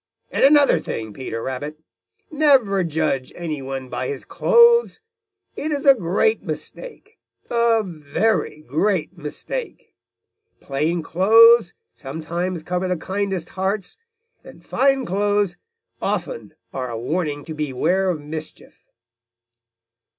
And another thing, Peter Rabbit: Never judge any one by his clothes. It is a great mistake, a very great mistake. Plain clothes sometimes cover the kindest hearts, and fine clothes often are a warning to beware of mischief."